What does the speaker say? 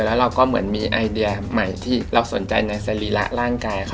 แล้วเราก็เหมือนมีไอเดียใหม่ที่เราสนใจในสรีระร่างกายค่ะ